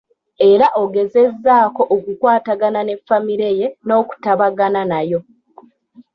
Era ogezezzaako okukwatagana ne Famire ye n'okutabagana nayo.